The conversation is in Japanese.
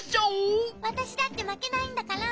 わたしだってまけないんだから。